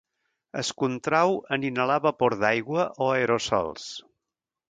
Es contrau en inhalar vapor d'aigua o aerosols.